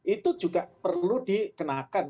itu juga perlu dikenakan